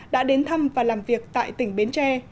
đã đến thăm và làm việc tại tỉnh bến tre